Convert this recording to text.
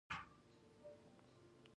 آیا د کاریز پاکول په اشر نه کیږي؟